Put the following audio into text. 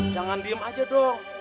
jangan diem aja dong